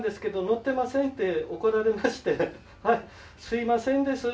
すいませんです。